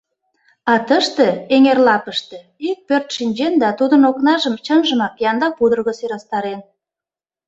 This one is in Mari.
А тыште, эҥер лапыште, ик пӧрт шинчен да тудын окнажым чынжымак янда пудырго сӧрастарен.